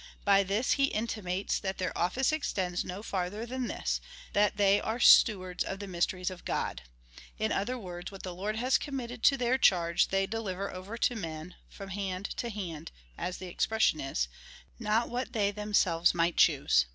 By this he intimates, that their office extends no fai'ther than this, that they are stewards of the mysteries of God. In other words, what the Lord has committed to their charge they deliver over to men from hand to hand — as the expression is^ — not what they themselves might choose.